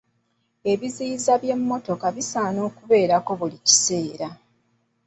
Ebiziyiza by'emmotoka bisaana okukeberako buli kiseera.